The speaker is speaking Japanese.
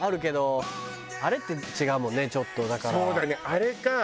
あれか！